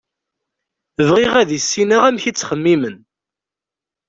Bɣiɣ ad issineɣ amek i ttxemmimen.